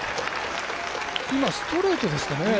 今、ストレートですかね。